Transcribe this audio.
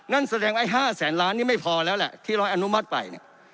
นั่นแสดงไอ้๕แสนล้านนี่ไม่พอแล้วแหละที่ร้อยอนุมัติไปเนี่ย